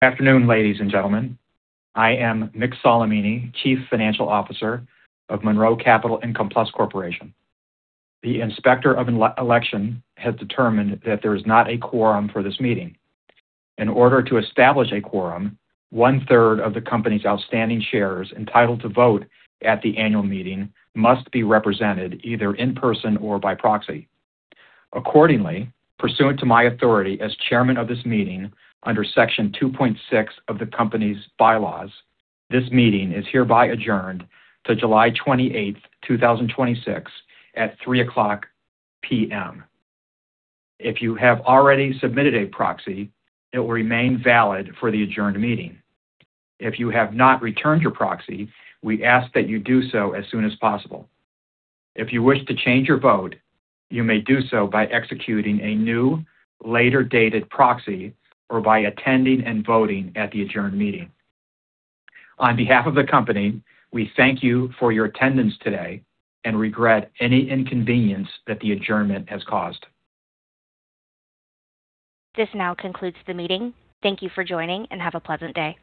Afternoon, ladies and gentlemen. I am Mick Solimene, Chief Financial Officer of Monroe Capital Income Plus Corporation. The Inspector of Election has determined that there is not a quorum for this meeting. In order to establish a quorum, one-third of the company's outstanding shares entitled to vote at the annual meeting must be represented either in person or by proxy. Pursuant to my authority as Chairman of this meeting under Section 2.6 of the company's bylaws, this meeting is hereby adjourned to July 28, 2026, at 3:00 P.M. If you have already submitted a proxy, it will remain valid for the adjourned meeting. If you have not returned your proxy, we ask that you do so as soon as possible. If you wish to change your vote, you may do so by executing a new, later-dated proxy or by attending and voting at the adjourned meeting. On behalf of the company, we thank you for your attendance today and regret any inconvenience that the adjournment has caused. This now concludes the meeting. Thank you for joining, and have a pleasant day.